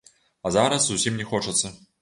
А зараз зусім не хочацца.